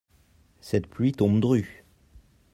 Cette pluie tombe dru.